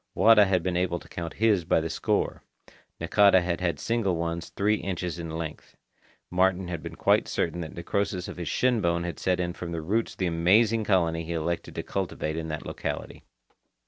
Wada had been able to count his by the score. Nakata had had single ones three inches in length. Martin had been quite certain that necrosis of his shinbone had set in from the roots of the amazing colony he elected to cultivate in that locality.